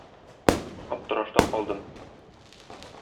Аптырашта калдым.